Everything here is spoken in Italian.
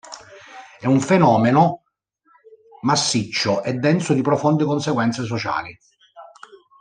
È un fenomeno massiccio e denso di profonde conseguenze sociali.